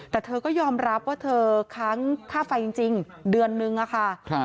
แต่เธอก็ยอมรับว่าเธอค้างค่าไฟจริงเดือนนึงอะค่ะ